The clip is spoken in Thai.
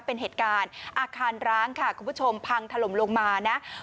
เป็นเหตุการณ์อาคารร้างค่ะคุณผู้ชมพังถล่มลงมานะ